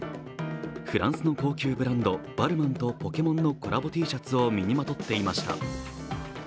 フランスの高級ブランド、ＢＡＬＭＡＩＮとポケモンのコラボＴシャツを身にまとっていました。